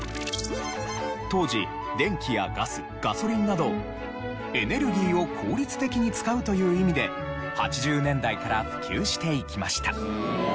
当時電気やガスガソリンなどエネルギーを効率的に使うという意味で８０年代から普及していきました。